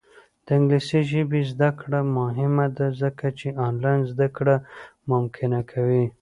د انګلیسي ژبې زده کړه مهمه ده ځکه چې آنلاین زدکړه ممکنه کوي.